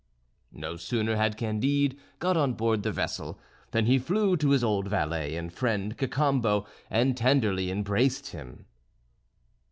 No sooner had Candide got on board the vessel than he flew to his old valet and friend Cacambo, and tenderly embraced him.